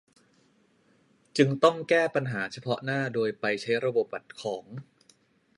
จึงต้องแก้ปัญหาเฉพาะหน้าโดยไปใช้ระบบบัตรของ